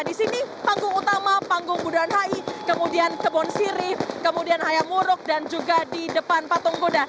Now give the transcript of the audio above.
di sini panggung utama panggung bundaran hi kemudian kebun sirih kemudian hayam muruk dan juga di depan patung kuda